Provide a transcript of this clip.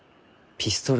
ピストル？